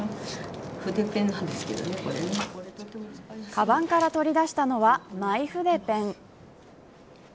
かばんから取り出したのはマイ筆ペン。